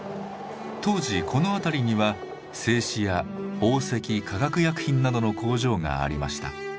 当時この辺りには製紙や紡績化学薬品などの工場がありました。